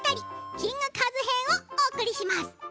キングカズ編をお送りします。